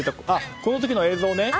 この時の映像だね。